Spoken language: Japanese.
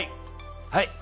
はい。